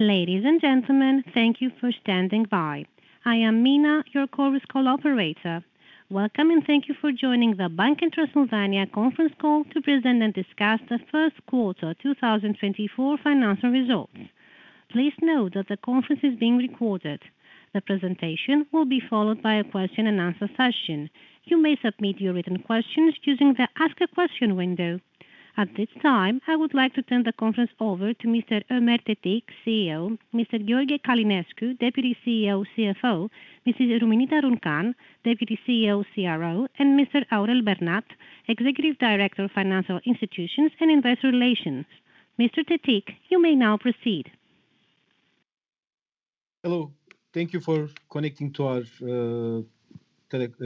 Ladies and gentlemen, thank you for standing by. I am Mina, your Chorus Call operator. Welcome, and thank you for joining the Banca Transilvania conference call to present and discuss the first quarter 2024 financial results. Please note that the conference is being recorded. The presentation will be followed by a question and answer session. You may submit your written questions using the Ask a Question window. At this time, I would like to turn the conference over to Mr. Ömer Tetik, CEO, Mr. George Călinescu, Deputy CEO, CFO, Mrs. Luminița Runcan, Deputy CEO, CRO, and Mr. Aurel Bernat, Executive Director of Financial Institutions and Investor Relations. Mr. Tetik, you may now proceed. Hello. Thank you for connecting to our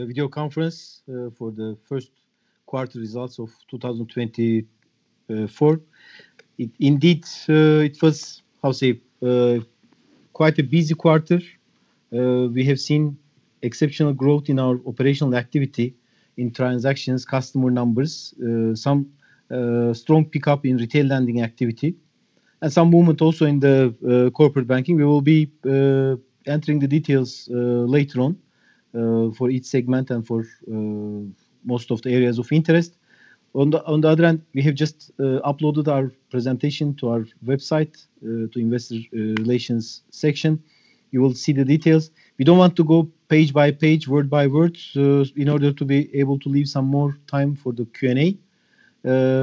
video conference for the first quarter results of 2024. It indeed was, how say, quite a busy quarter. We have seen exceptional growth in our operational activity, in transactions, customer numbers, some strong pickup in retail lending activity, and some movement also in the corporate banking. We will be entering the details later on for each segment and for most of the areas of interest. On the other hand, we have just uploaded our presentation to our website to investor relations section. You will see the details. We don't want to go page by page, word by word in order to be able to leave some more time for the Q&A.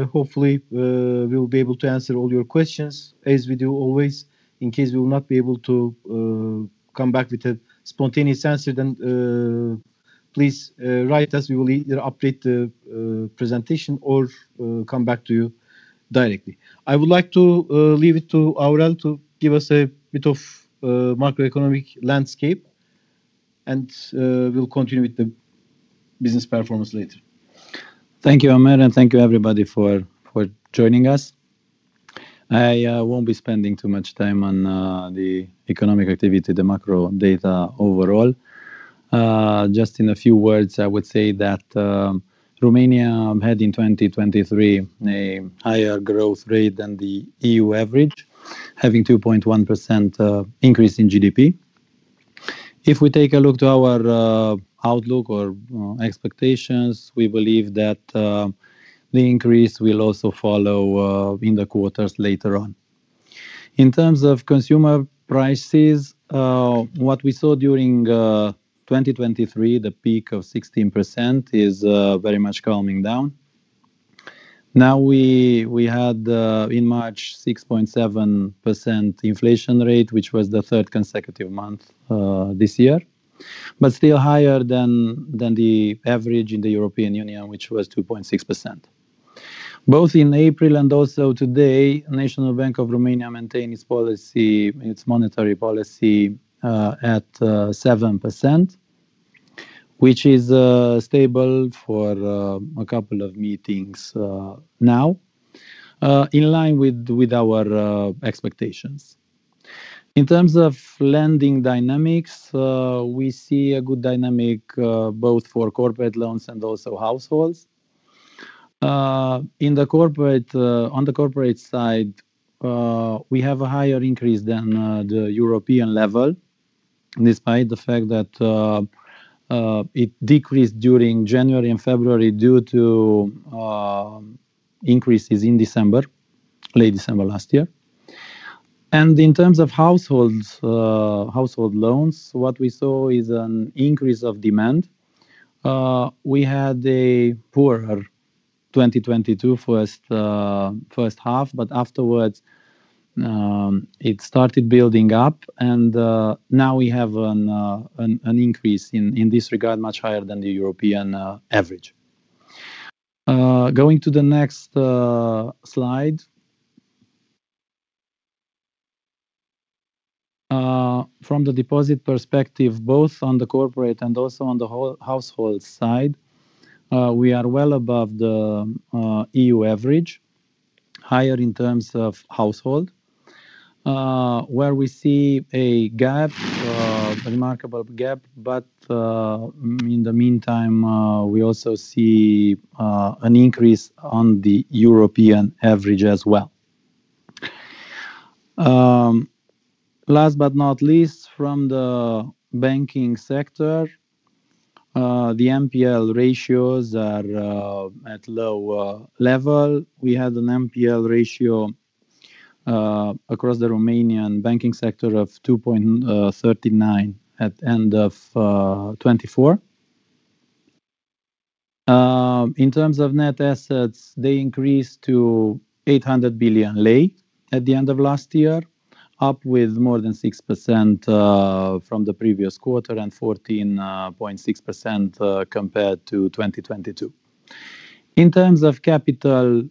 Hopefully, we will be able to answer all your questions as we do always. In case we will not be able to come back with a spontaneous answer, then, please, write us. We will either update the presentation or come back to you directly. I would like to leave it to Aurel to give us a bit of macroeconomic landscape, and we'll continue with the business performance later. Thank you, Ömer, and thank you everybody for joining us. I won't be spending too much time on the economic activity, the macro data overall. Just in a few words, I would say that Romania had, in 2023, a higher growth rate than the EU average, having 2.1% increase in GDP. If we take a look to our outlook or expectations, we believe that the increase will also follow in the quarters later on. In terms of consumer prices, what we saw during 2023, the peak of 16%, is very much calming down. Now, we had in March a 6.7% inflation rate, which was the third consecutive month this year, but still higher than the average in the European Union, which was 2.6%. Both in April and also today, National Bank of Romania maintain its policy, its monetary policy at 7%, which is stable for a couple of meetings now, in line with our expectations. In terms of lending dynamics, we see a good dynamic both for corporate loans and also households. On the corporate side, we have a higher increase than the European level, despite the fact that it decreased during January and February due to increases in December, late December last year. In terms of households, household loans, what we saw is an increase of demand. We had a poorer 2022 first half, but afterwards, it started building up and now we have an increase in this regard, much higher than the European average. Going to the next slide. From the deposit perspective, both on the corporate and also on the whole household side, we are well above the EU average, higher in terms of household, where we see a gap, a remarkable gap, but in the meantime, we also see an increase on the European average as well. Last but not least, from the banking sector, the NPL ratios are at low level. We had an NPL ratio across the Romanian banking sector of 2.39% at end of 2024. In terms of net assets, they increased to RON 800 billion at the end of last year, up with more than 6% from the previous quarter and 14.6% compared to 2022. In terms of capital,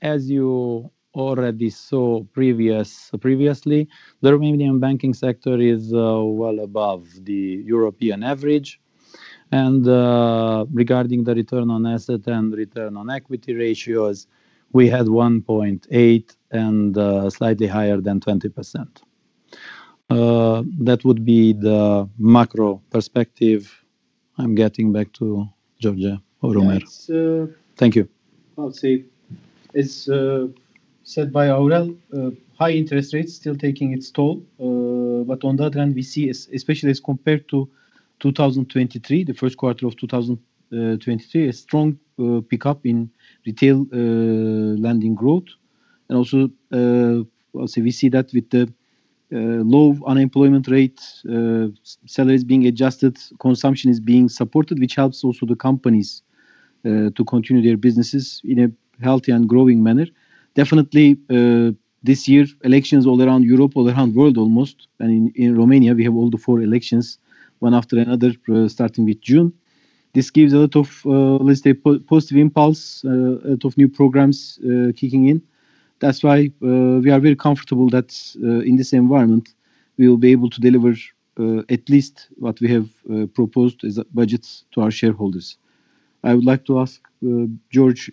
as you already saw previously, the Romanian banking sector is well above the European average, and regarding the return on assets and return on equity ratios, we had 1.8% and slightly higher than 20%. That would be the macro perspective. I'm getting back to George or Ömer. Yes, uh- Thank you. I'll say, it's said by Aurel, high interest rates still taking its toll, but on the other hand, we see especially as compared to 2023, the first quarter of 2023, a strong pickup in retail lending growth. And also, as we see that with the low unemployment rate, salaries being adjusted, consumption is being supported, which helps also the companies to continue their businesses in a healthy and growing manner. Definitely, this year, elections all around Europe, all around world almost, and in Romania, we have all the four elections, one after another, starting with June. This gives a lot of, let's say, positive impulse, a lot of new programs kicking in. That's why, we are very comfortable that, in this environment, we will be able to deliver, at least what we have, proposed as a budgets to our shareholders. I would like to ask, George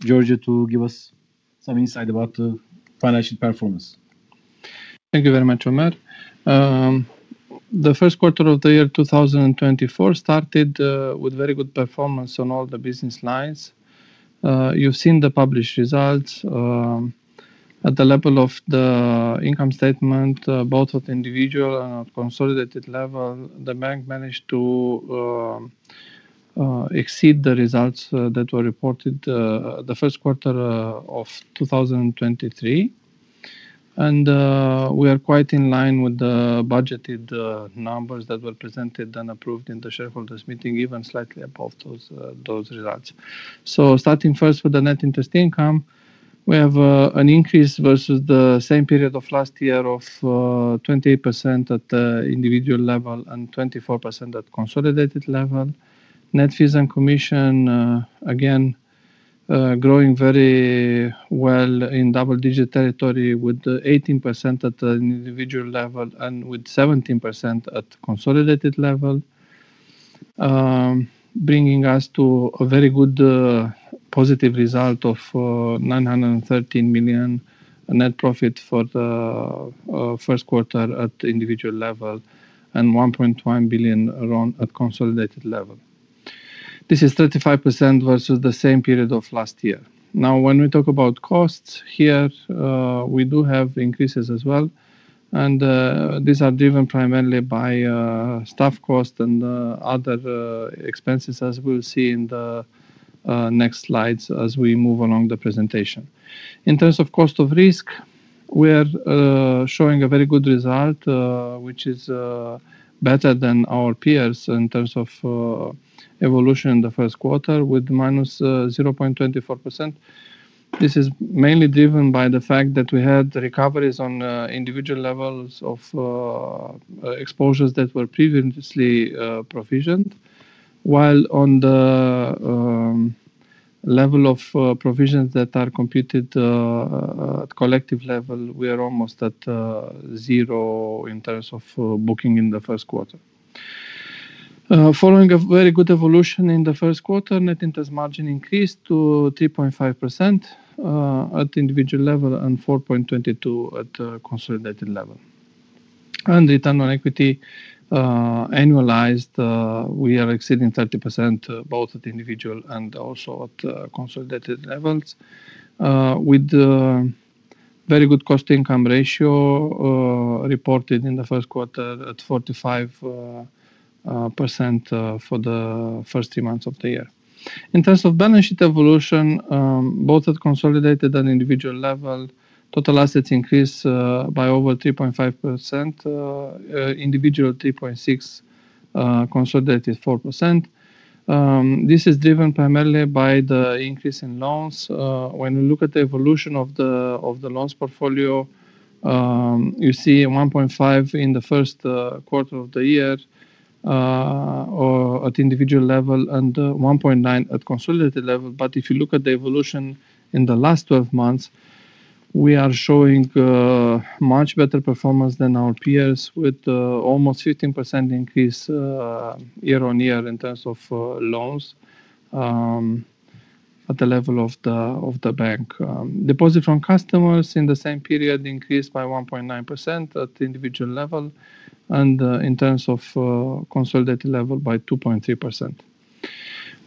to give us some insight about the financial performance. Thank you very much, Ömer. The first quarter of the year 2024 started with very good performance on all the business lines. You've seen the published results at the level of the income statement, both at individual and consolidated level, the bank managed to exceed the results that were reported the first quarter of 2023. We are quite in line with the budgeted numbers that were presented and approved in the shareholders meeting, even slightly above those results. Starting first with the net interest income, we have an increase versus the same period of last year of 28% at the individual level and 24% at consolidated level. Net fees and commission, again, growing very well in double-digit territory with 18% at an individual level and with 17% at consolidated level, bringing us to a very good, positive result of RON 913 million net profit for the first quarter at individual level, and RON 1.1 billion around at consolidated level. This is 35% versus the same period of last year. Now, when we talk about costs, here, we do have increases as well, and these are driven primarily by staff cost and other expenses, as we'll see in the next slides as we move along the presentation. In terms of cost of risk, we are showing a very good result, which is better than our peers in terms of evolution in the first quarter with -0.24%. This is mainly driven by the fact that we had recoveries on individual levels of exposures that were previously provisioned, while on the level of provisions that are completed at collective level, we are almost at zero in terms of booking in the first quarter. Following a very good evolution in the first quarter, net interest margin increased to 3.5% at individual level and 4.22% at consolidated level. Return on equity, annualized, we are exceeding 30%, both at individual and also at consolidated levels, with the very good cost-to-income ratio reported in the first quarter at 45%, for the first three months of the year. In terms of balance sheet evolution, both at consolidated and individual level, total assets increased by over 3.5%, individual 3.6%, consolidated 4%. This is driven primarily by the increase in loans. When we look at the evolution of the loans portfolio, you see 1.5% in the first quarter of the year, or at individual level, and 1.9% at consolidated level. But if you look at the evolution in the last 12 months, we are showing much better performance than our peers, with almost 15% increase year-on-year in terms of loans at the level of the bank. Deposits from customers in the same period increased by 1.9% at the individual level, and in terms of consolidated level by 2.3%.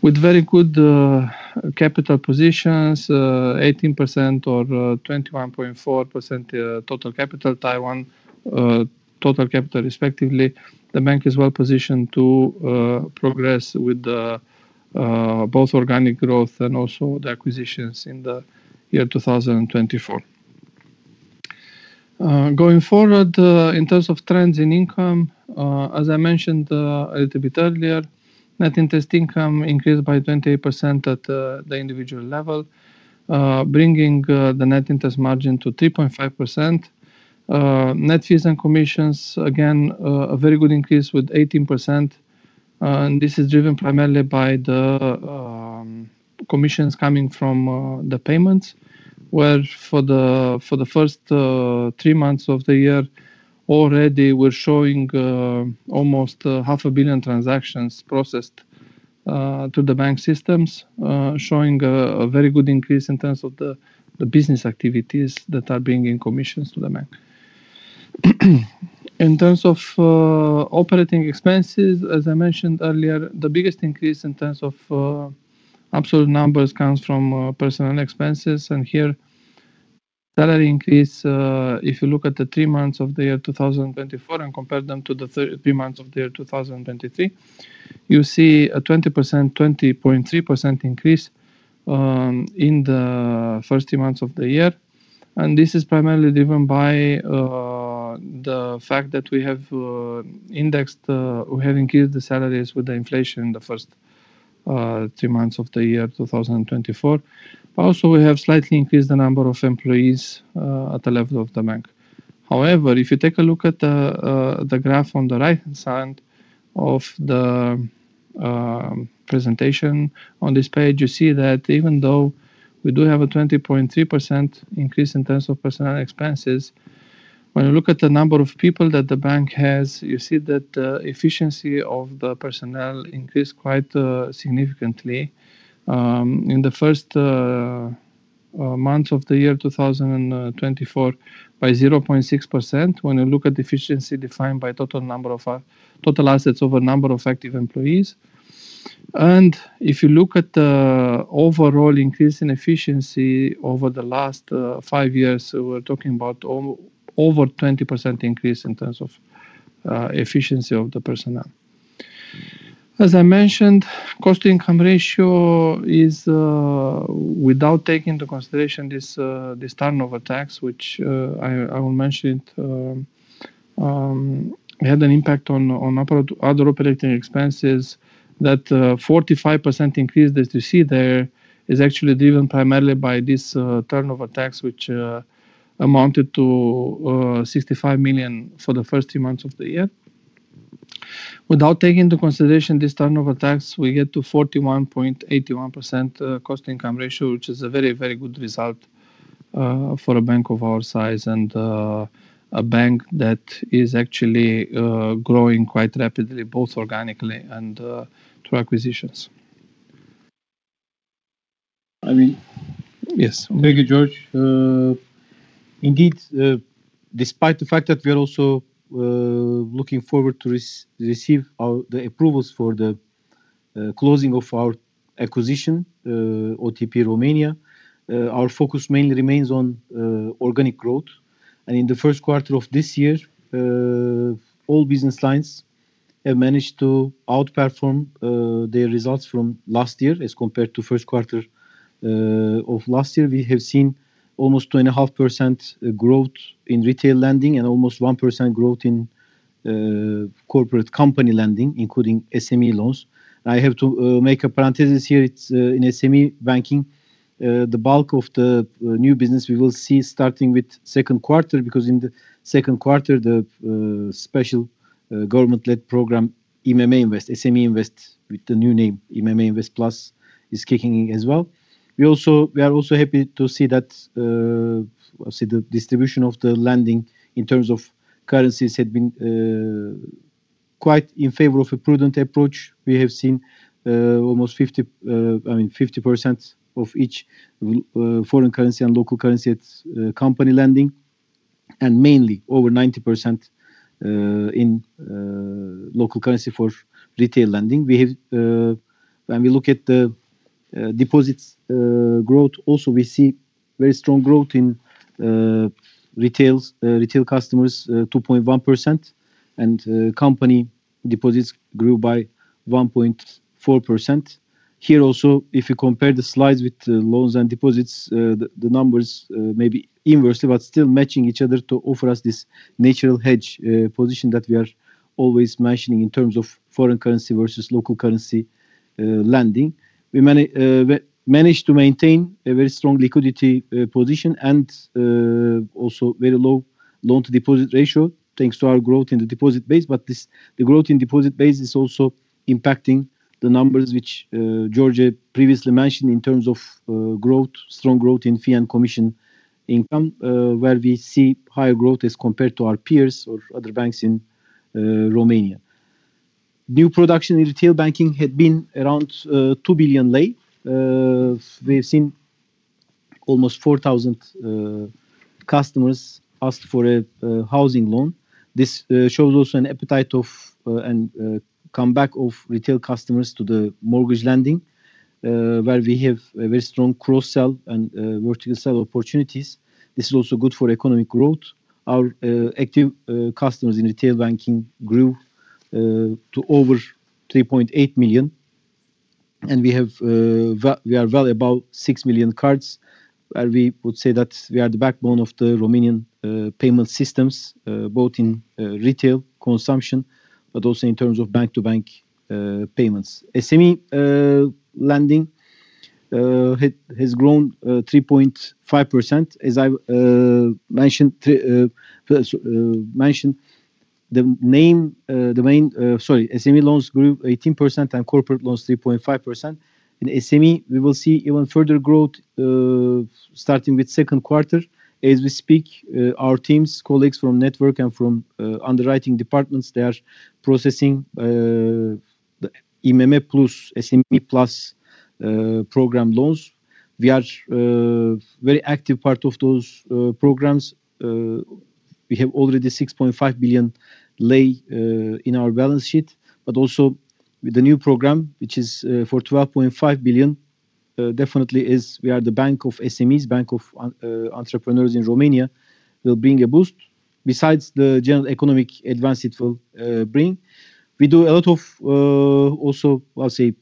With very good capital positions, 18% or 21.4%, total capital, Tier 1, total capital, respectively, the bank is well positioned to progress with both organic growth and also the acquisitions in the year 2024. Going forward, in terms of trends in income, as I mentioned a little bit earlier, net interest income increased by 28% at the individual level, bringing the net interest margin to 3.5%. Net fees and commissions, again, a very good increase with 18%, and this is driven primarily by the commissions coming from the payments, where for the first three months of the year, already we're showing almost 500 million transactions processed to the bank systems, showing a very good increase in terms of the business activities that are bringing commissions to the bank. In terms of operating expenses, as I mentioned earlier, the biggest increase in terms of absolute numbers comes from personnel expenses, and here salary increase, if you look at the three months of the year 2024 and compare them to the three months of the year 2023, you see a 20%, 20.3% increase in the first three months of the year. And this is primarily driven by the fact that we have indexed, we have increased the salaries with the inflation in the first three months of the year 2024. But also, we have slightly increased the number of employees at the level of the bank. However, if you take a look at the graph on the right-hand side of the presentation on this page, you see that even though we do have a 20.3% increase in terms of personnel expenses, when you look at the number of people that the bank has, you see that the efficiency of the personnel increased quite significantly in the first months of the year 2024 by 0.6%, when you look at efficiency defined by total number of total assets over number of active employees. And if you look at the overall increase in efficiency over the last five years, we're talking about over 20% increase in terms of efficiency of the personnel. As I mentioned, cost-to-income ratio is, without taking into consideration this, this turnover tax, which, I, I will mention it, had an impact on, on other operating expenses, that, 45% increase that you see there is actually driven primarily by this, turnover tax, which, amounted to, RON 65 million for the first three months of the year. Without taking into consideration this turnover tax, we get to 41.81%, cost-to-income ratio, which is a very, very good result, for a bank of our size and, a bank that is actually, growing quite rapidly, both organically and, through acquisitions. I mean. Yes. Thank you, George. Indeed, despite the fact that we are also looking forward to receive our, the approvals for the closing of our acquisition, OTP Romania, our focus mainly remains on organic growth. In the first quarter of this year, all business lines have managed to outperform their results from last year as compared to first quarter of last year. We have seen almost 2.5% growth in retail lending and almost 1% growth in corporate company lending, including SME loans. I have to make a parenthesis here. It's in SME banking, the bulk of the new business we will see starting with second quarter, because in the second quarter, the special government-led program, IMM Invest, SME Invest, with the new name, IMM Invest Plus, is kicking in as well. We also, we are also happy to see that, see the distribution of the lending in terms of currencies had been quite in favor of a prudent approach. We have seen almost 50%, I mean, 50% of each foreign currency and local currency at company lending, and mainly over 90% in local currency for retail lending. We have, when we look at the deposits growth also, we see very strong growth in retail customers 2.1%, and company deposits grew by 1.4%. Here also, if you compare the slides with loans and deposits, the numbers may be inversely, but still matching each other to offer us this natural hedge position that we are always mentioning in terms of foreign currency versus local currency lending. We managed to maintain a very strong liquidity position and also very low loan-to-deposit ratio, thanks to our growth in the deposit base. But this, the growth in deposit base is also impacting the numbers which George previously mentioned in terms of growth, strong growth in fee and commission income, where we see higher growth as compared to our peers or other banks in Romania. New production in retail banking had been around RON 2 billion. We've seen almost 4,000 customers ask for a housing loan. This shows also an appetite of and comeback of retail customers to the mortgage lending, where we have a very strong cross-sell and vertical sell opportunities. This is also good for economic growth. Our active customers in retail banking grew to over 3.8 million, and we have well above 6 million cards, where we would say that we are the backbone of the Romanian payment systems, both in retail consumption, but also in terms of bank-to-bank payments. SME lending has grown 3.5%. As I've mentioned, the main SME loans grew 18% and corporate loans 3.5%. In SME, we will see even further growth starting with second quarter. As we speak, our teams, colleagues from network and from underwriting departments, they are processing the IMM Plus, SME Plus program loans. We are very active part of those programs. We have already RON 6.5 billion in our balance sheet, but also with the new program, which is for RON 12.5 billion. Definitely is we are the bank of SMEs, bank of entrepreneurs in Romania, will bring a boost. Besides the general economic advance it will bring, we do a lot of also, I'll say,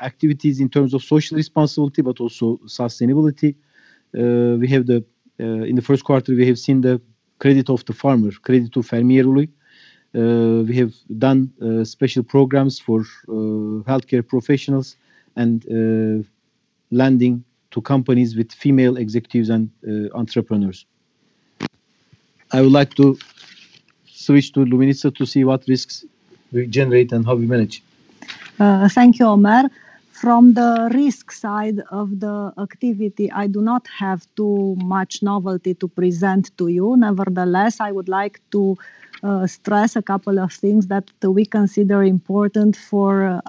activities in terms of social responsibility, but also sustainability. We have the in the first quarter, we have seen the credit of the farmer, Creditul Fermierului. We have done special programs for healthcare professionals and lending to companies with female executives and entrepreneurs. I would like to switch to Luminița to see what risks we generate and how we manage. Thank you, Ömer. From the risk side of the activity, I do not have too much novelty to present to you. Nevertheless, I would like to stress a couple of things that we consider important for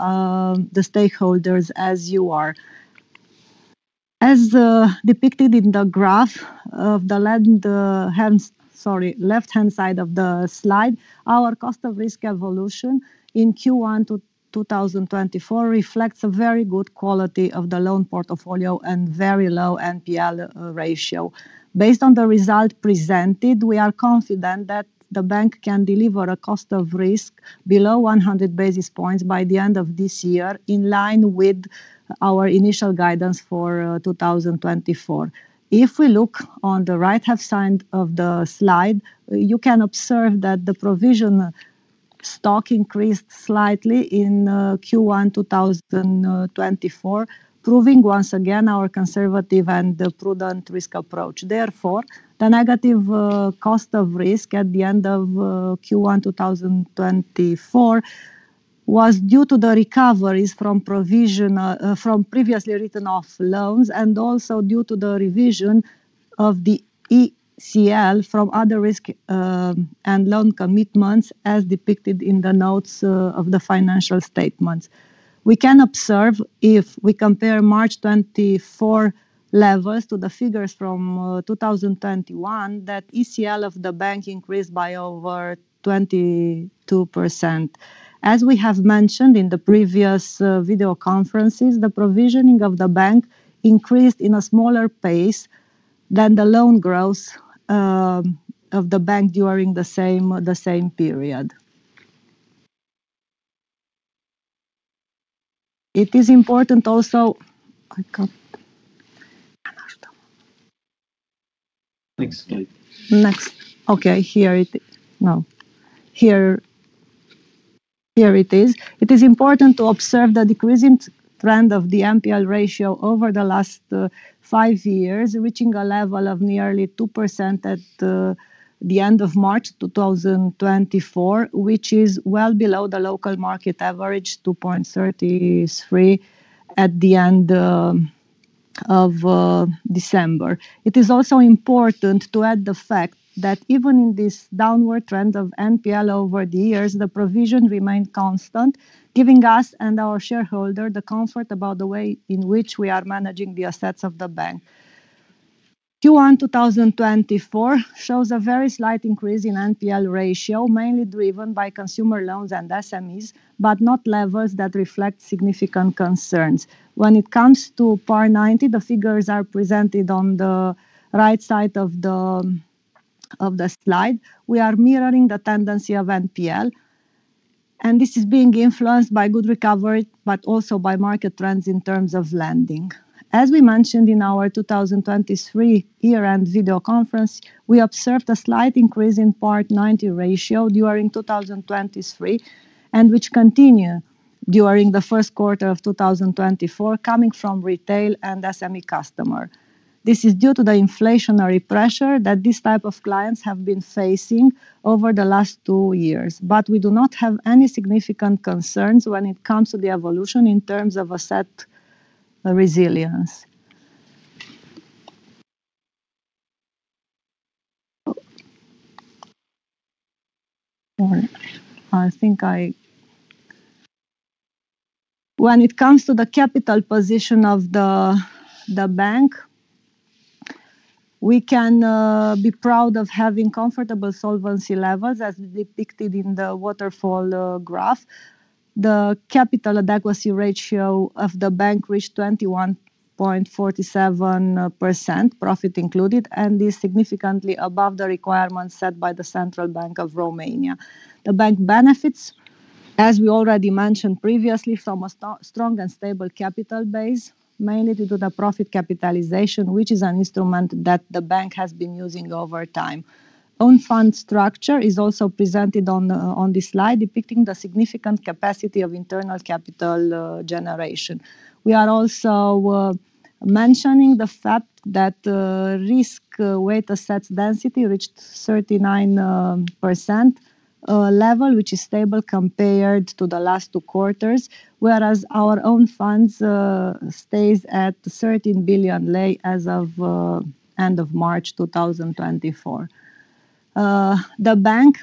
the stakeholders as you are. As depicted in the graph of the left-hand, sorry, left-hand side of the slide, our cost of risk evolution in Q1 2024 reflects a very good quality of the loan portfolio and very low NPL ratio. Based on the result presented, we are confident that the bank can deliver a cost of risk below one hundred basis points by the end of this year, in line with our initial guidance for 2024. If we look on the right-hand side of the slide, you can observe that the provision stock increased slightly in Q1 2024, proving once again our conservative and the prudent risk approach. Therefore, the negative cost of risk at the end of Q1 2024 was due to the recoveries from provision from previously written off loans, and also due to the revision of the ECL from other risk and loan commitments, as depicted in the notes of the financial statements. We can observe, if we compare March 2024 levels to the figures from 2021, that ECL of the bank increased by over 22%. As we have mentioned in the previous video conferences, the provisioning of the bank increased in a smaller pace than the loan growth of the bank during the same period. It is important also to observe the decreasing trend of the NPL ratio over the last five years, reaching a level of nearly 2% at the end of March 2024, which is well below the local market average, 2.33%, at the end of December. It is also important to add the fact that even in this downward trend of NPL over the years, the provision remained constant, giving us and our shareholder the comfort about the way in which we are managing the assets of the bank. Q1 2024 shows a very slight increase in NPL ratio, mainly driven by consumer loans and SMEs, but not levels that reflect significant concerns. When it comes to PAR 90, the figures are presented on the right side of the slide. We are mirroring the tendency of NPL, and this is being influenced by good recovery, but also by market trends in terms of lending. As we mentioned in our 2023 year-end video conference, we observed a slight increase in PAR 90 ratio during 2023, and which continue during the first quarter of 2024, coming from retail and SME customer. This is due to the inflationary pressure that these type of clients have been facing over the last two years, but we do not have any significant concerns when it comes to the evolution in terms of asset resilience. I think when it comes to the capital position of the bank, we can be proud of having comfortable solvency levels, as depicted in the waterfall graph. The capital adequacy ratio of the bank reached 21.47%, profit included, and is significantly above the requirements set by the Central Bank of Romania. The bank benefits, as we already mentioned previously, from a strong and stable capital base, mainly due to the profit capitalization, which is an instrument that the bank has been using over time. Own fund structure is also presented on, on this slide, depicting the significant capacity of internal capital, generation. We are also mentioning the fact that, risk-weighted assets density reached 39% level, which is stable compared to the last two quarters, whereas our own funds stays at RON 13 billion as of end of March 2024. The bank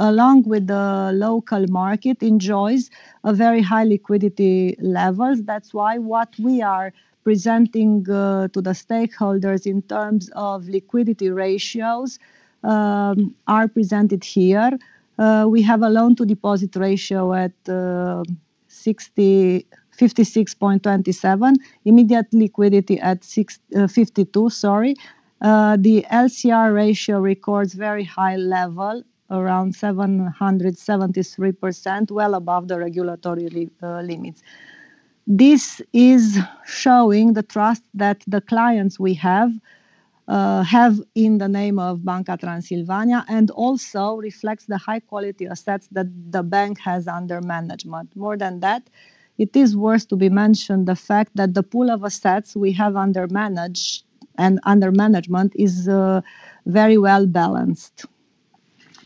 along with the local market enjoys a very high liquidity levels. That's why what we are presenting to the stakeholders in terms of liquidity ratios are presented here. We have a loan to deposit ratio at 56.27%, immediate liquidity at 52%, sorry. The LCR ratio records very high level, around 773%, well above the regulatory limits. This is showing the trust that the clients we have have in the name of Banca Transilvania, and also reflects the high quality assets that the bank has under management. More than that, it is worth to be mentioned the fact that the pool of assets we have under manage and under management is very well balanced.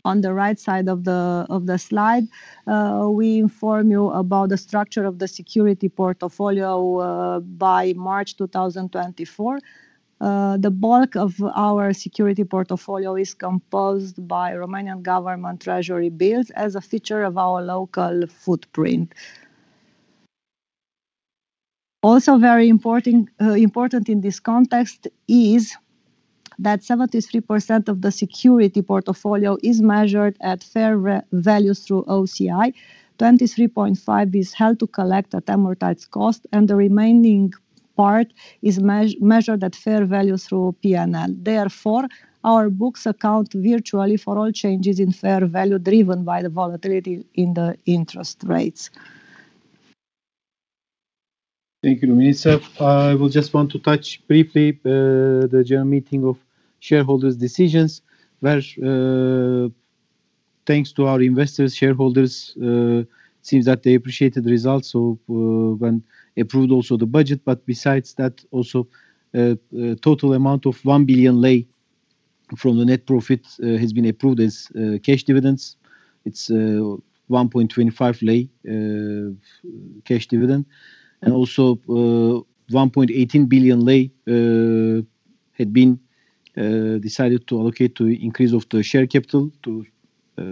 On the right side of the slide, we inform you about the structure of the security portfolio by March 2024. The bulk of our security portfolio is composed by Romanian government treasury bills as a feature of our local footprint. Also very important in this context is that 73% of the security portfolio is measured at fair values through OCI. 23.5% is held to collect at amortized cost, and the remaining part is measured at fair value through PNL. Therefore, our books account virtually for all changes in fair value, driven by the volatility in the interest rates. Thank you, Luminița. I will just want to touch briefly the general meeting of shareholders decisions, where, thanks to our investors, shareholders, seems that they appreciated the results, so, when approved also the budget. But besides that, also, total amount of RON 1 billion from the net profit has been approved as cash dividends. It's RON 1.25 cash dividend, and also, RON 1.18 billion had been decided to allocate to increase of the share capital to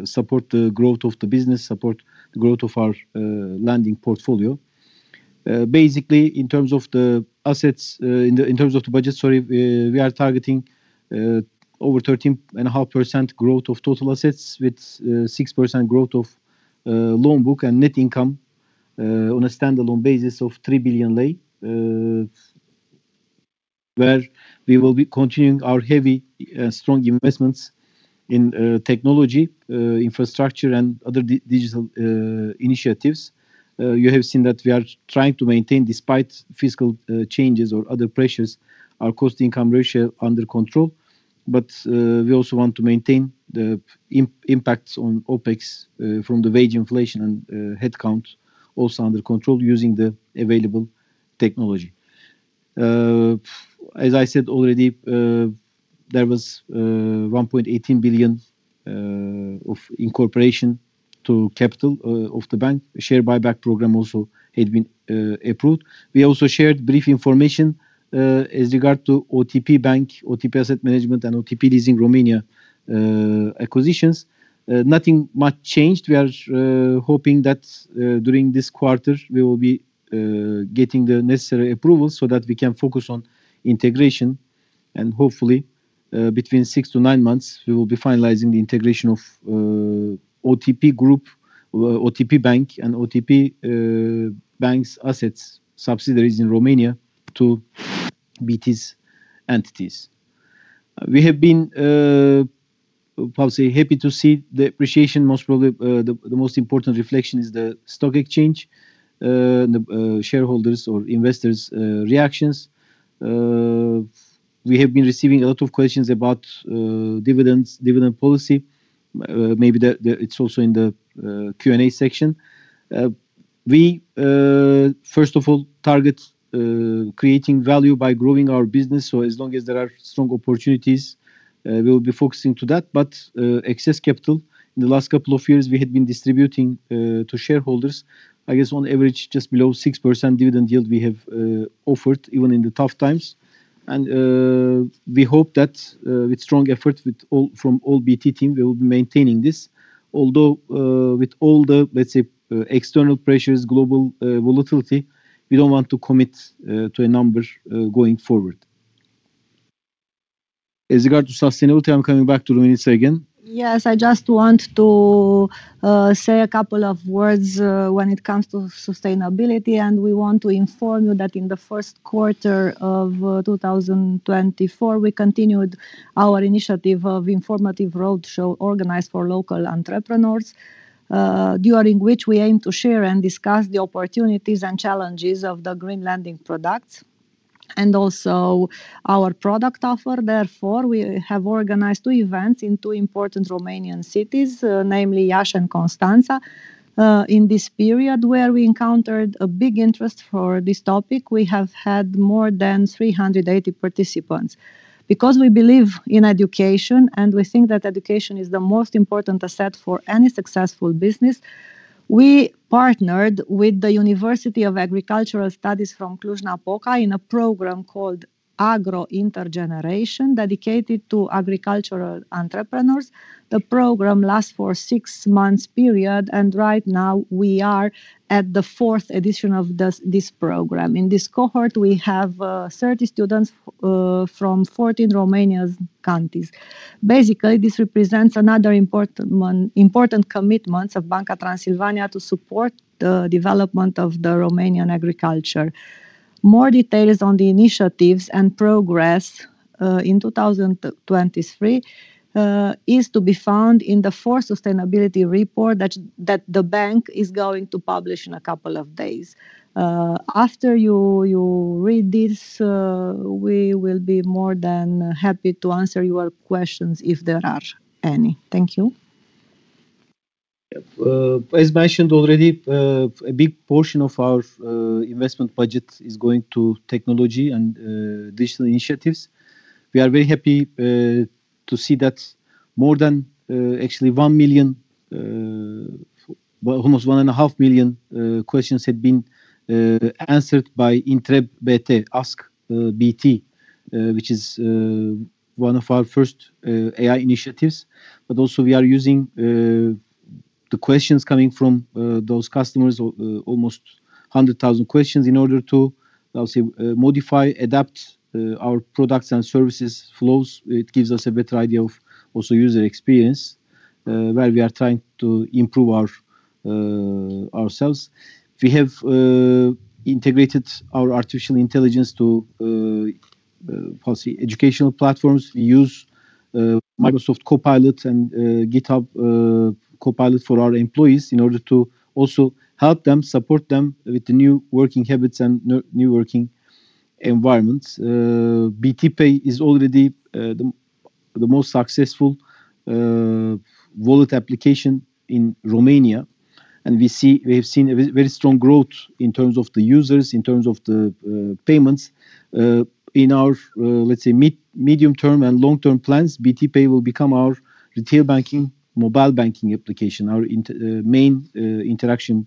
support the growth of the business, support the growth of our lending portfolio. Basically, in terms of the budget, sorry, we are targeting over 13.5% growth of total assets with 6% growth of loan book and net income on a standalone basis of RON 3 billion. Where we will be continuing our heavy, strong investments in technology, infrastructure and other digital initiatives. You have seen that we are trying to maintain, despite fiscal changes or other pressures, our cost-to-income ratio under control, but we also want to maintain the impacts on OpEx from the wage inflation and headcount also under control, using the available technology. As I said already, there was RON 1.18 billion of incorporation to capital of the bank. Share buyback program also had been approved. We also shared brief information as regard to OTP Bank, OTP Asset Management, and OTP Leasing Romania acquisitions. Nothing much changed. We are hoping that during this quarter, we will be getting the necessary approvals so that we can focus on integration, and hopefully between 6-9 months, we will be finalizing the integration of OTP Group, OTP Bank, and OTP Bank's assets subsidiaries in Romania to BT's entities. We have been how say happy to see the appreciation, most probably the most important reflection is the stock exchange the shareholders or investors reactions. We have been receiving a lot of questions about dividends, dividend policy. Maybe that it's also in the Q&A section. We first of all target creating value by growing our business, so as long as there are strong opportunities, we will be focusing to that. But excess capital in the last couple of years, we had been distributing to shareholders. I guess on average, just below 6% dividend yield we have offered, even in the tough times. And we hope that with strong effort from all BT team, we will be maintaining this. Although with all the, let's say, external pressures, global volatility, we don't want to commit to a number going forward. As regards to sustainability, I'm coming back to Romina again. Yes, I just want to say a couple of words when it comes to sustainability, and we want to inform you that in the first quarter of 2024, we continued our initiative of informative roadshow organized for local entrepreneurs, during which we aim to share and discuss the opportunities and challenges of the green lending products, and also our product offer. Therefore, we have organized two events in two important Romanian cities, namely Iași and Constanța. In this period, where we encountered a big interest for this topic, we have had more than 380 participants. Because we believe in education, and we think that education is the most important asset for any successful business, we partnered with the University of Agricultural Studies from Cluj-Napoca in a program called Agro Intergeneration, dedicated to agricultural entrepreneurs. The program lasts for six months period, and right now we are at the fourth edition of this program. In this cohort, we have 30 students from 14 Romania's counties. Basically, this represents another important commitment of Banca Transilvania to support the development of the Romanian agriculture. More details on the initiatives and progress in 2023 is to be found in the fourth sustainability report that the bank is going to publish in a couple of days. After you read this, we will be more than happy to answer your questions if there are any. Thank you. As mentioned already, a big portion of our investment budget is going to technology and digital initiatives. We are very happy to see that more than, actually 1 million, well, almost 1.5 million questions had been answered by Întreb BT, Ask BT, which is one of our first AI initiatives. But also we are using the questions coming from those customers, almost 100,000 questions in order to, let's say, modify, adapt our products and services flows. It gives us a better idea of also user experience, where we are trying to improve our ourselves. We have integrated our artificial intelligence to policy educational platforms. We use Microsoft Copilot and GitHub Copilot for our employees in order to also help them, support them with the new working habits and new working environments. BT Pay is already the most successful wallet application in Romania, and we have seen a very, very strong growth in terms of the users, in terms of the payments. In our, let's say, medium-term and long-term plans, BT Pay will become our retail banking, mobile banking application, our main interaction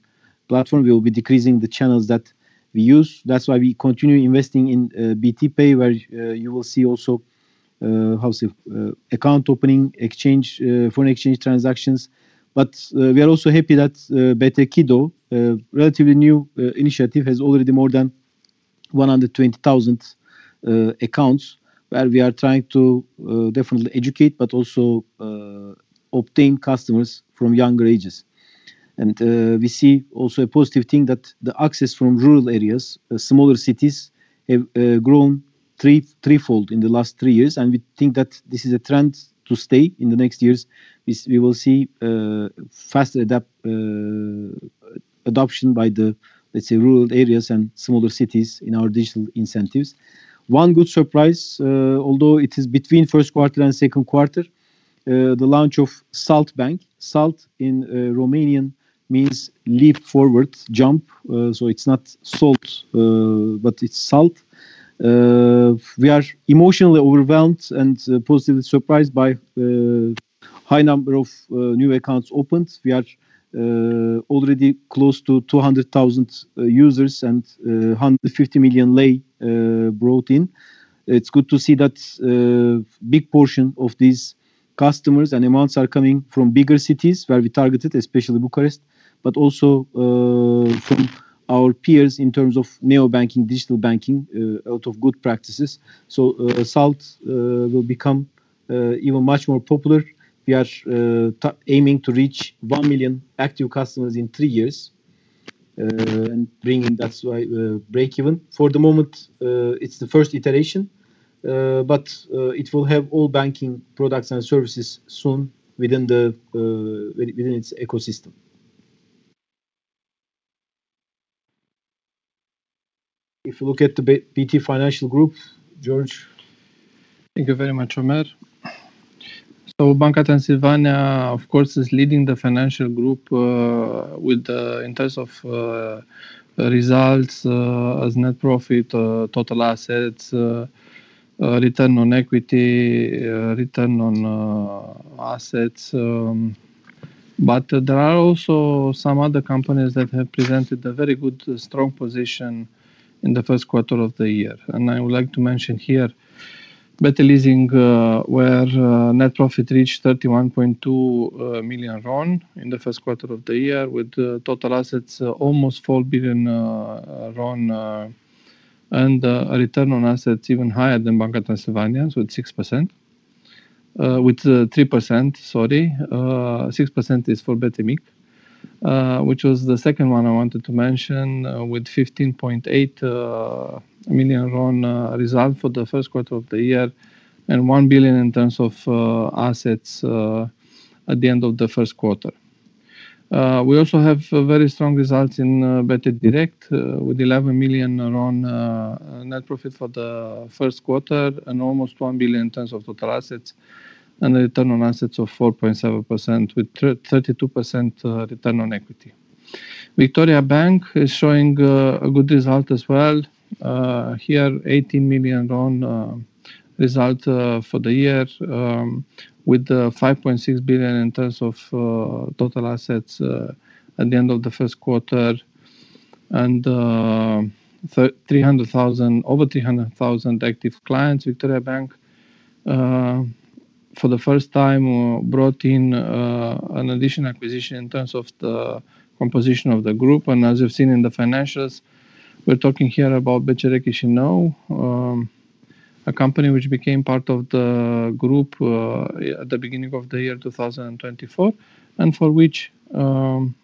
platform. We will be decreasing the channels that we use. That's why we continue investing in BT Pay, where you will see also how say account opening, exchange, foreign exchange transactions. But we are also happy that BT Kiddo, a relatively new initiative, has already more than 120,000 accounts, where we are trying to definitely educate, but also obtain customers from younger ages. And we see also a positive thing that the access from rural areas, smaller cities, have grown threefold in the last three years, and we think that this is a trend to stay in the next years. We will see fast adoption by the, let's say, rural areas and smaller cities in our digital incentives. One good surprise, although it is between first quarter and second quarter, the launch of Salt Bank. Salt in Romanian means leap forward, jump, so it's not salt, but it's Salt. We are emotionally overwhelmed and positively surprised by the high number of new accounts opened. We are already close to 200,000 users and RON 150 million brought in. It's good to see that a big portion of these customers and amounts are coming from bigger cities where we targeted, especially Bucharest, but also from our peers in terms of neo banking, digital banking, out of good practices. So, Salt will become even much more popular. We are aiming to reach 1 million active customers in 3 years, and bringing that's why break even. For the moment, it's the first iteration, but it will have all banking products and services soon within its ecosystem. If you look at the BT Financial Group, George? Thank you very much, Ömer. So Banca Transilvania, of course, is leading the financial group, with in terms of results as net profit, total assets, return on equity, return on assets, but there are also some other companies that have presented a very good, strong position in the first quarter of the year. And I would like to mention here, BT Leasing, where net profit reached RON 31.2 million in the first quarter of the year, with the total assets almost RON 4 billion, and a return on assets even higher than Banca Transilvania's with 6%. With 3%, sorry. Six percent is for BT Mic, which was the second one I wanted to mention, with RON 15.8 million result for the first quarter of the year, and RON 1 billion in terms of assets at the end of the first quarter. We also have very strong results in BT Direct, with RON 11 million net profit for the first quarter and almost RON 1 billion in terms of total assets, and a return on assets of 4.7%, with 32% return on equity. Victoriabank is showing a good result as well. Here, RON 18 million on result for the year, with RON 5.6 billion in terms of total assets at the end of the first quarter, and 300,000, over 300,000 active clients. Victoriabank, for the first time, brought in an additional acquisition in terms of the composition of the group. And as you've seen in the financials, we're talking here about BCR Chișinău, a company which became part of the group at the beginning of the year 2024, and for which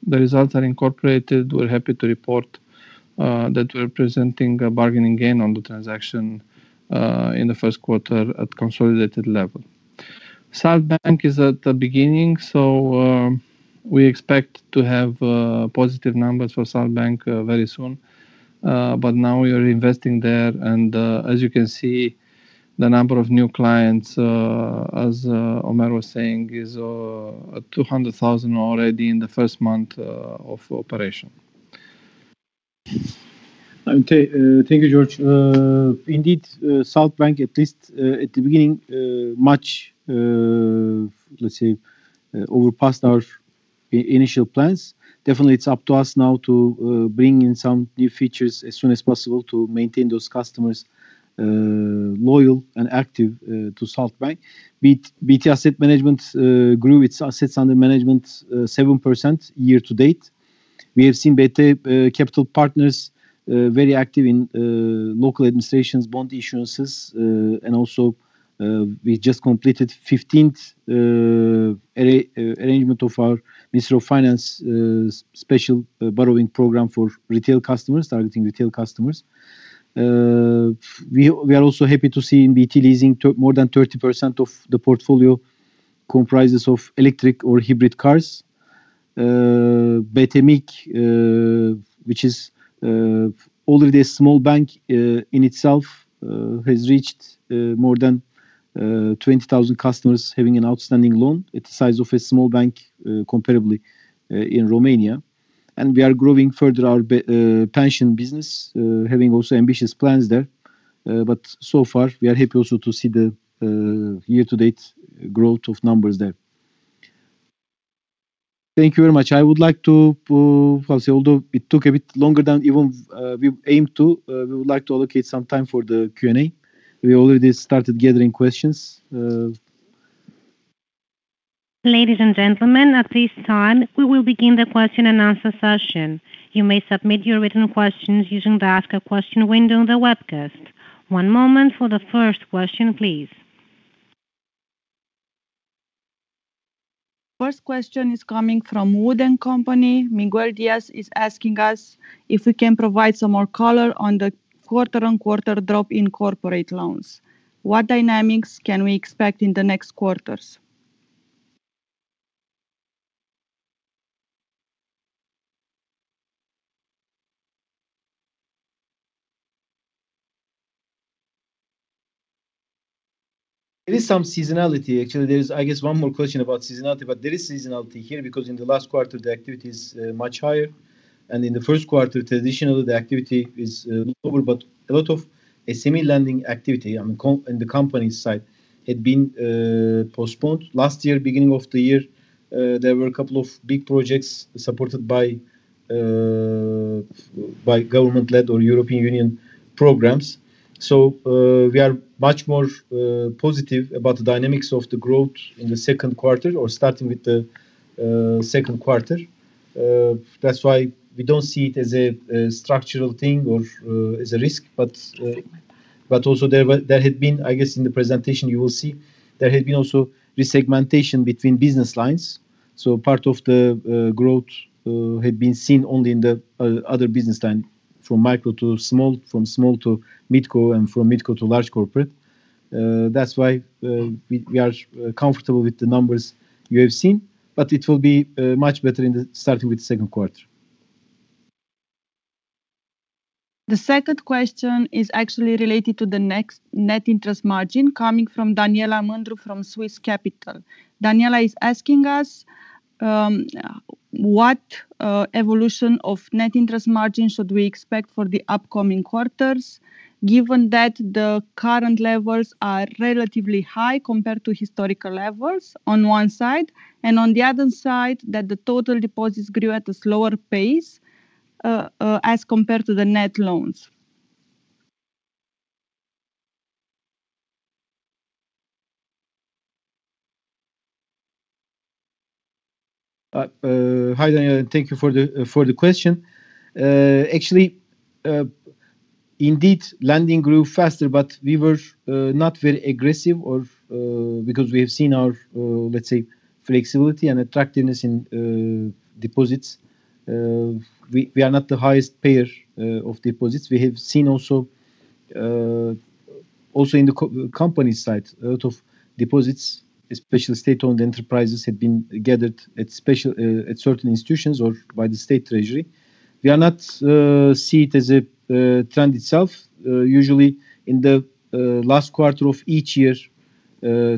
the results are incorporated. We're happy to report that we're presenting a bargain gain on the transaction in the first quarter at consolidated level. Salt Bank is at the beginning, so we expect to have positive numbers for Salt Bank very soon. But now we are investing there, and as you can see, the number of new clients, as Ömer was saying, is at 200,000 already in the first month of operation. Thank you, George. Indeed, Salt Bank, at least at the beginning, much, let's say, over past our initial plans. Definitely, it's up to us now to bring in some new features as soon as possible to maintain those customers loyal and active to Salt Bank. BT Asset Management grew its assets under management 7% year to date. We have seen BT Capital Partners very active in local administrations, bond issuances, and also we just completed fifteenth arrangement of our Ministry of Finance special borrowing program for retail customers, targeting retail customers. We are also happy to see in BT Leasing to more than 30% of the portfolio comprises of electric or hybrid cars. BT Mic, which is already a small bank in itself, has reached more than 20,000 customers having an outstanding loan. It's the size of a small bank, comparably, in Romania. And we are growing further our pension business, having also ambitious plans there. But so far, we are happy also to see the year-to-date growth of numbers there. Thank you very much. I would like to, although it took a bit longer than even we aimed to, we would like to allocate some time for the Q&A. We already started gathering questions. Ladies and gentlemen, at this time, we will begin the question and answer session. You may submit your written questions using the Ask a Question window on the webcast. One moment for the first question, please. First question is coming from WOOD & Company. Miguel Diaz is asking us if we can provide some more color on the quarter-on-quarter drop in corporate loans. What dynamics can we expect in the next quarters? There is some seasonality. Actually, there's, I guess, one more question about seasonality, but there is seasonality here, because in the last quarter, the activity is much higher, and in the first quarter, traditionally, the activity is lower. But a lot of SME lending activity on the company side had been postponed. Last year, beginning of the year, there were a couple of big projects supported by government-led or European Union programs. So, we are much more positive about the dynamics of the growth in the second quarter or starting with the second quarter. That's why we don't see it as a structural thing or as a risk. But also there had been, I guess, in the presentation, you will see, there had been also resegmentation between business lines. So part of the growth had been seen only in the other business line, from micro to small, from small to mid-co, and from mid-co to large corporate. That's why we are comfortable with the numbers you have seen, but it will be much better in the starting with the second quarter. The second question is actually related to the next net interest margin coming from Daniela Mândru from Swiss Capital. Daniela is asking us, "What evolution of net interest margin should we expect for the upcoming quarters, given that the current levels are relatively high compared to historical levels on one side, and on the other side, that the total deposits grew at a slower pace, as compared to the net loans? Hi, Daniela, thank you for the question. Actually, indeed, lending grew faster, but we were not very aggressive because we have seen our, let's say, flexibility and attractiveness in deposits. We are not the highest payer of deposits. We have seen also in the company side, a lot of deposits, especially state-owned enterprises, have been gathered at special, at certain institutions or by the state treasury. We do not see it as a trend itself. Usually in the last quarter of each year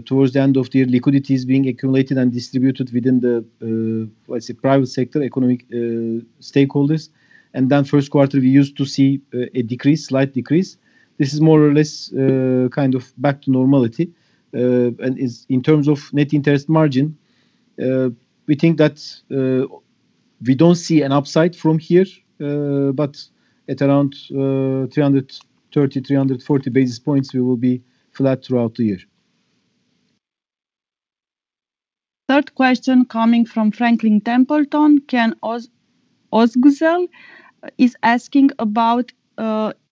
towards the end of the year, liquidity is being accumulated and distributed within the, let's say, private sector, economic stakeholders. And then first quarter, we used to see a decrease, slight decrease. This is more or less, kind of back to normality. And is, in terms of net interest margin, we think that, we don't see an upside from here, but at around, 330-340 basis points, we will be flat throughout the year. Third question coming from Franklin Templeton, Can Ozguzel, is asking about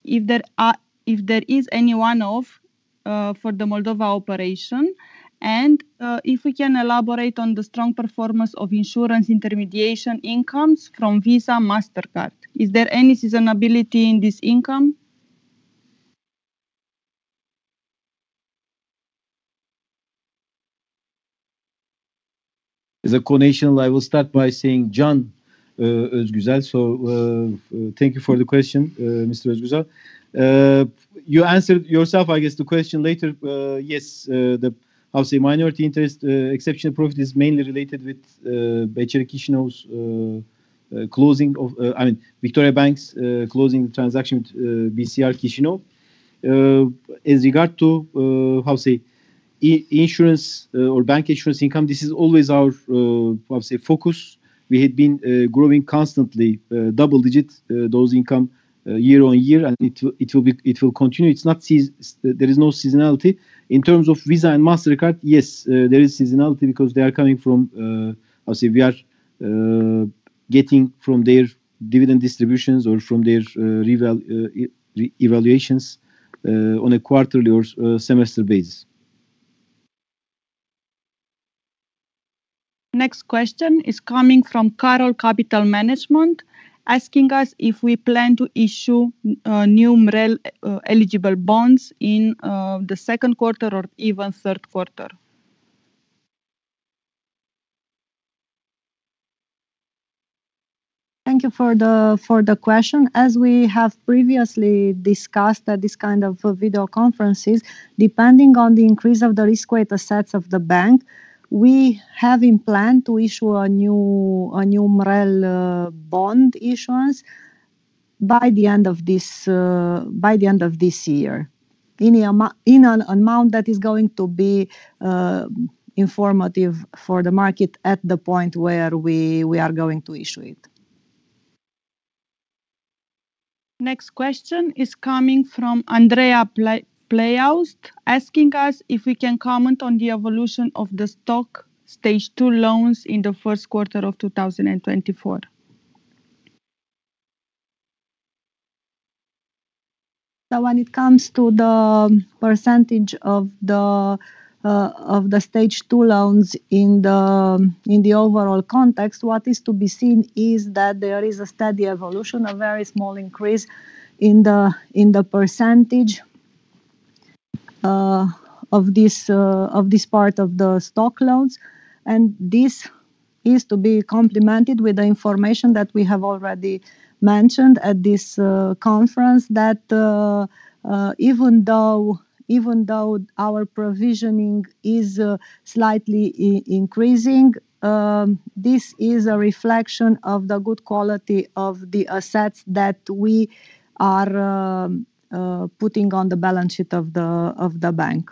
if there is any one-off for the Moldova operation, and if we can elaborate on the strong performance of insurance intermediation incomes from Visa, Mastercard. Is there any seasonality in this income? As a connection, I will start by saying, Can Ozguzel, thank you for the question, Mr. Ozguzel. You answered yourself, I guess, the question later. Yes, the, I would say, minority interest, exceptional profit is mainly related with BCR Chișinău's closing of, I mean, Victoriabank's closing transaction with BCR Chișinău. As regard to how to say, insurance or bank insurance income, this is always our, I would say, focus. We had been growing constantly, double digit, those income year-on-year, and it will continue. There is no seasonality. In terms of Visa and Mastercard, yes, there is seasonality because they are coming from, I would say we are getting from their dividend distributions or from their revaluations on a quarterly or semester basis. Next question is coming from Karoll Capital Management, asking us if we plan to issue new MREL eligible bonds in the second quarter or even third quarter. Thank you for the, for the question. As we have previously discussed at this kind of video conferences, depending on the increase of the risk-weighted assets of the bank, we have in plan to issue a new, a new MREL bond issuance by the end of this, by the end of this year, in an amount that is going to be informative for the market at the point where we, we are going to issue it. Next question is coming from Andreea Playoust, asking us if we can comment on the evolution of the stock stage two loans in the first quarter of 2024. So when it comes to the percentage of the stage two loans in the overall context, what is to be seen is that there is a steady evolution, a very small increase in the percentage of this part of the stock loans. And this is to be complemented with the information that we have already mentioned at this conference, that even though our provisioning is slightly increasing, this is a reflection of the good quality of the assets that we are putting on the balance sheet of the bank.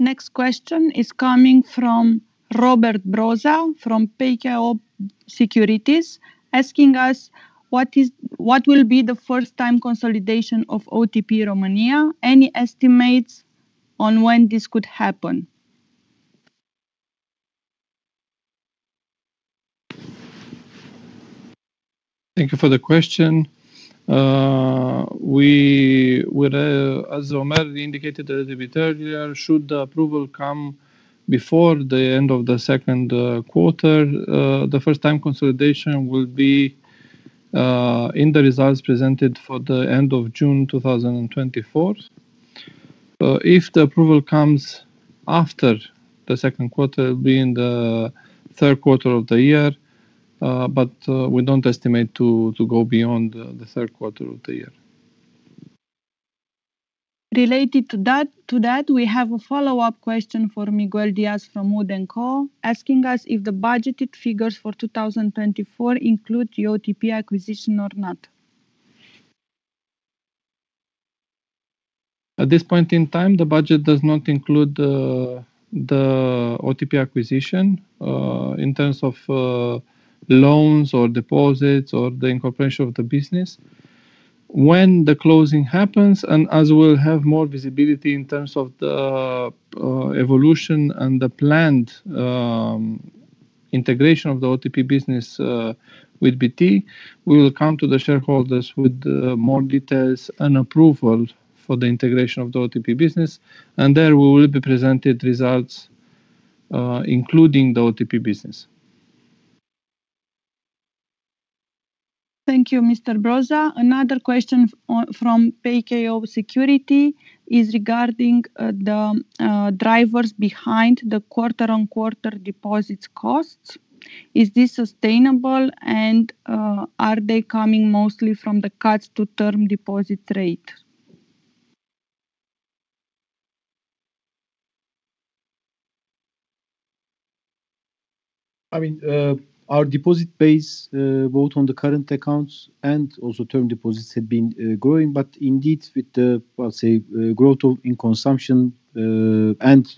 Next question is coming from Robert Brzoza, from PKO Securities, asking us: what is, what will be the first time consolidation of OTP Romania? Any estimates on when this could happen? Thank you for the question. We would, as Ömer indicated a little bit earlier, should the approval come before the end of the second quarter, the first time consolidation will be in the results presented for the end of June 2024. If the approval comes after the second quarter, it will be in the third quarter of the year, but we don't estimate to go beyond the third quarter of the year. Related to that, we have a follow-up question from Miguel Diaz from WOOD & Co, asking us if the budgeted figures for 2024 include the OTP acquisition or not. At this point in time, the budget does not include the OTP acquisition in terms of loans or deposits or the incorporation of the business. When the closing happens, and as we'll have more visibility in terms of the evolution and the planned integration of the OTP business with BT, we will come to the shareholders with more details and approval for the integration of the OTP business, and there we will be presented results including the OTP business. Thank you, Mr. Brzoza. Another question from PKO Securities is regarding the drivers behind the quarter-over-quarter deposit costs. Is this sustainable? And, are they coming mostly from the cuts to term deposit rate? I mean, our deposit base, both on the current accounts and also term deposits, have been growing, but indeed, with the, well, say, growth in consumption, and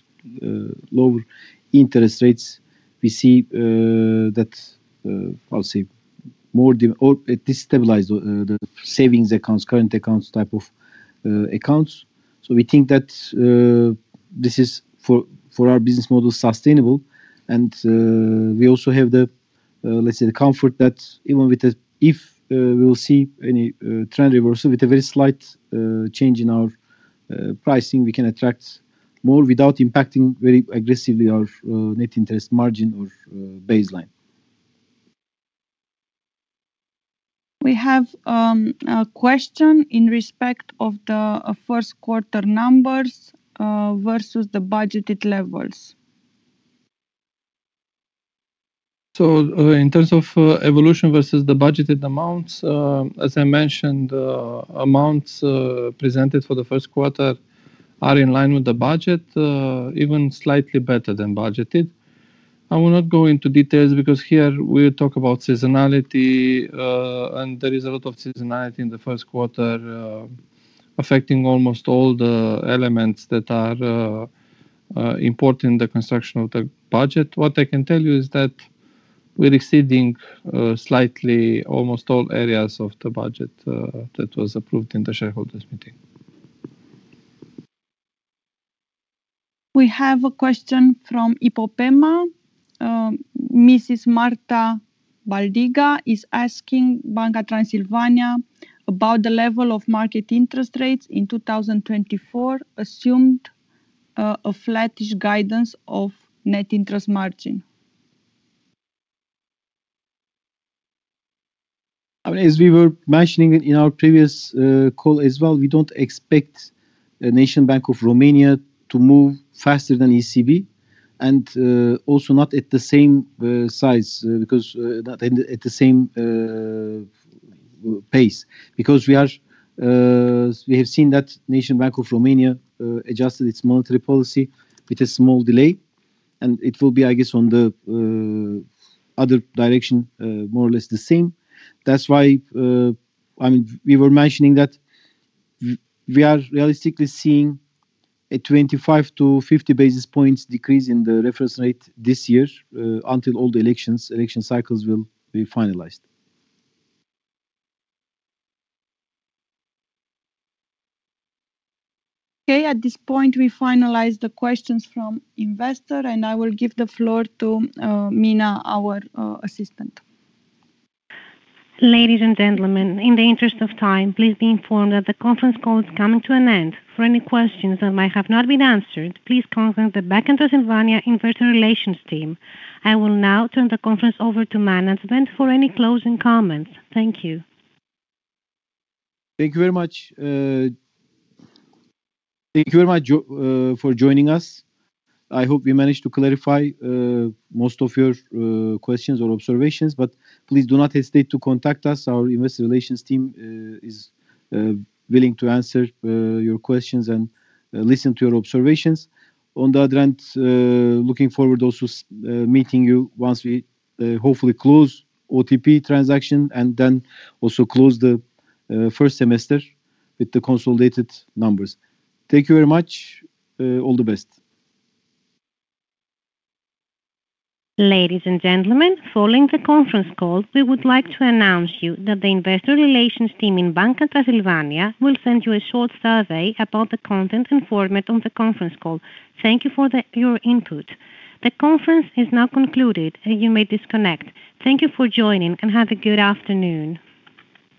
lower interest rates, we see that, I'll say, more or it destabilize the savings accounts, current accounts type of accounts. So we think that this is for our business model, sustainable. We also have the, let's say, the comfort that even with the if we will see any trend reversal with a very slight change in our pricing, we can attract more without impacting very aggressively our net interest margin or baseline. We have a question in respect of the first quarter numbers versus the budgeted levels. So, in terms of evolution versus the budgeted amounts, as I mentioned, amounts presented for the first quarter are in line with the budget, even slightly better than budgeted. I will not go into details because here we talk about seasonality, and there is a lot of seasonality in the first quarter, affecting almost all the elements that are important in the construction of the budget. What I can tell you is that we're exceeding slightly almost all areas of the budget that was approved in the shareholders' meeting. We have a question from IPOPEMA. Mrs. Marta Czajkowska-Bałdyga is asking Banca Transilvania about the level of market interest rates in 2024 assumed, a flattish guidance of net interest margin. I mean, as we were mentioning in our previous call as well, we don't expect the National Bank of Romania to move faster than ECB and also not at the same size, because not at the same pace. Because we have seen that National Bank of Romania adjusted its monetary policy with a small delay, and it will be, I guess, on the other direction, more or less the same. That's why, I mean, we were mentioning that we were realistically seeing a 25-50 basis points decrease in the reference rate this year, until all the elections, election cycles will be finalized. Okay, at this point, we finalize the questions from investor, and I will give the floor to Mina, our assistant. Ladies and gentlemen, in the interest of time, please be informed that the conference call is coming to an end. For any questions that might have not been answered, please contact the Banca Transilvania Investor Relations team. I will now turn the conference over to management for any closing comments. Thank you. Thank you very much. Thank you very much for joining us. I hope we managed to clarify most of your questions or observations, but please do not hesitate to contact us. Our investor relations team is willing to answer your questions and listen to your observations. On the other end, looking forward also meeting you once we hopefully close OTP transaction and then also close the first semester with the consolidated numbers. Thank you very much. All the best. Ladies and gentlemen, following the conference call, we would like to announce to you that the investor relations team in Banca Transilvania will send you a short survey about the content and format of the conference call. Thank you for your input. The conference is now concluded, and you may disconnect. Thank you for joining, and have a good afternoon.